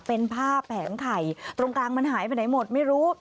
เป็นผ้าแผงไข่ตรงกลางมันหายไปไหนหมดไม่รู้